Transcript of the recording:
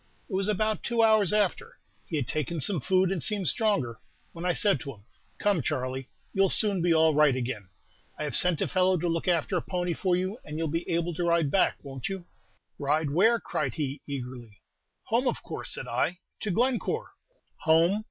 It was about two hours after, he had taken some food and seemed stronger, when I said to him, 'Come, Charley, you 'll soon be all right again; I have sent a fellow to look after a pony for you, and you 'll be able to ride back, won't you?' "'Ride where?' cried he, eagerly. "'Home, of course,' said I, 'to Glencore.' "'Home!